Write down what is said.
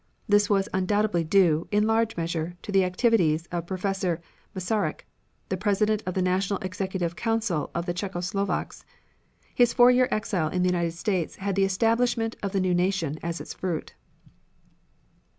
This was undoubtedly due, in large measure, to the activities of Professor Masaryk, the president of the National Executive Council of the Czecho Slovaks. His four year exile in the United States had the establishment of the new nation as its fruit.